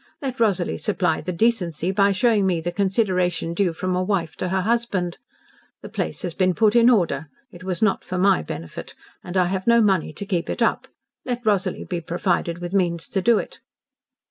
Let Rosalie supply the decency by showing me the consideration due from a wife to her husband. The place has been put in order. It was not for my benefit, and I have no money to keep it up. Let Rosalie be provided with means to do it."